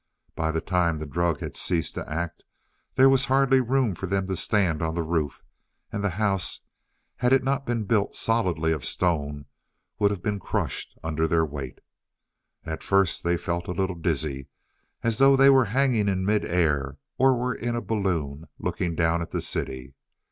By the time the drug had ceased to act there was hardly room for them to stand on the roof, and the house, had it not been built solidly of stone, would have been crushed under their weight. At first they felt a little dizzy, as though they were hanging in mid air, or were in a balloon, looking down at the city.